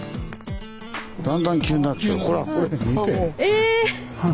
だんだん急になってきた。